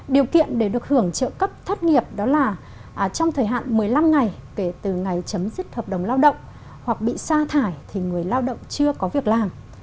điều kiện để được hưởng trợ cấp thất nghiệp đó là trong thời hạn một mươi năm ngày kể từ ngày chấm dứt hợp đồng lao động hoặc bị sa thải thì người lao động chưa có việc làm